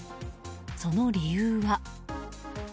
その理由は。